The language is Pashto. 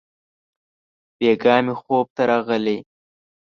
بېګاه مي خوب ته راغلې!